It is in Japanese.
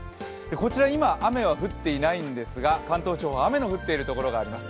こちら、今雨は降っていないんですが関東地方雨が降っている所もあります。